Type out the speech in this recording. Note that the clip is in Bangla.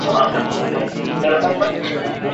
তিনি একজন মঞ্চ পরিচালক ও অভিনেতা।